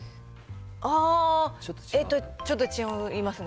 あー、ちょっと違いますね。